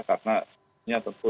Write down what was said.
karena ini tentu